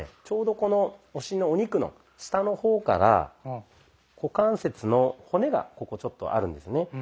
ちょうどこのお尻のお肉の下の方から股関節の骨がここちょっとあるんですね。